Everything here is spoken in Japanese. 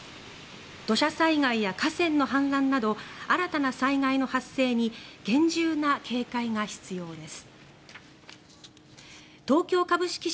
土砂災害や河川の氾濫など新たな災害の発生に厳重な警戒が必要です。